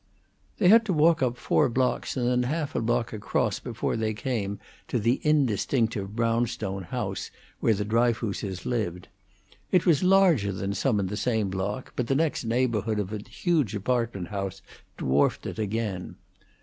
They had to walk up four blocks and then half a block across before they came to the indistinctive brownstone house where the Dryfooses lived. It was larger than some in the same block, but the next neighborhood of a huge apartment house dwarfed it again.